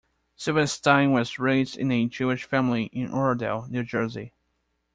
Silverstein was raised in a Jewish family in Oradell, New Jersey.